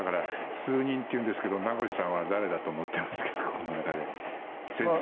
数人というんですけど名越さんは誰だと思っていますか。